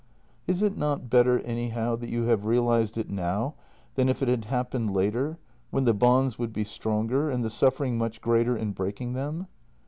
" Is it not better anyhow that you have realized it now than if it had happened later, when the bonds would be stronger, and the suffering much greater in breaking them?